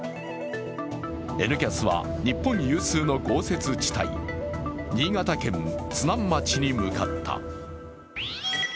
「Ｎキャス」は日本有数の豪雪地帯、新潟県津南町に向かった。